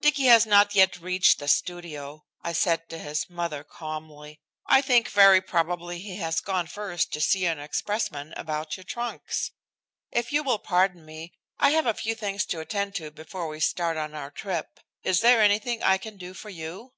"Dicky has not yet reached the studio," I said to his mother calmly. "I think very probably he has gone first to see an expressman about your trunks. If you will pardon me I have a few things to attend to before we start on our trip. Is there anything I can do for you?"